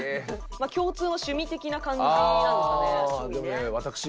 共通の趣味的な感じなんですかね？